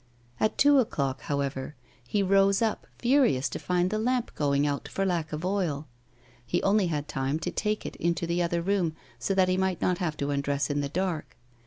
At two o'clock, however, he rose up, furious to find the lamp going out for lack of oil. He only had time to take it into the other room, so that he might not have to undress in the dark.